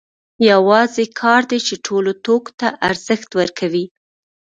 یوازې کار دی چې ټولو توکو ته ارزښت ورکوي